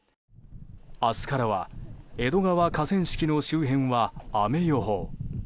明日からは江戸川河川敷の周辺は雨予報。